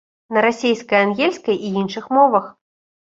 На расейскай, ангельскай і іншых мовах.